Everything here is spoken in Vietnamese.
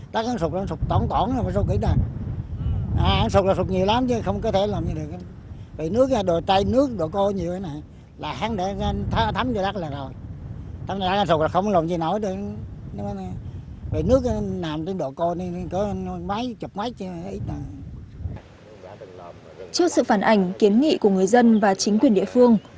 trước sự phản ảnh kiến nghị của người dân và chính quyền địa phương